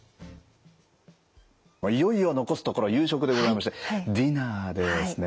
いよいよ残すところ夕食でございましてディナーですね。